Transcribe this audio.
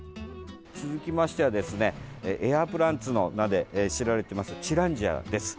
続きましてはエアプランツの名で知られているティランジアです。